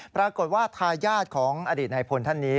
ปรากฏว่าทายาทของอดีตนายพลท่านนี้